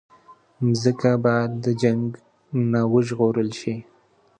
مځکه باید د جنګ نه وژغورل شي.